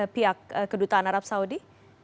pihak kedutaan arab saudi